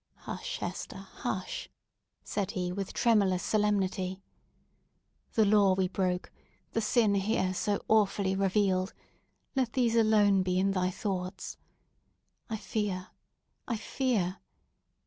"Hush, Hester—hush!" said he, with tremulous solemnity. "The law we broke!—the sin here awfully revealed!—let these alone be in thy thoughts! I fear! I fear!